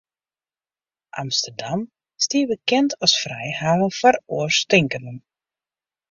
Amsterdam stie bekend as frijhaven foar oarstinkenden.